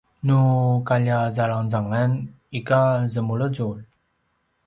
nu kaljazalangezangan ika zemulezul